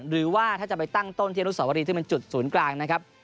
หรือว่าถ้าจะไปตั้งต้นที่อนุสาวรีซึ่งเป็นจุดศูนย์กลางนะครับ